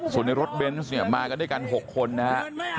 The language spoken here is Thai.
ส่วนในรถเบนส์เนี่ยมากันด้วยกัน๖คนนะฮะ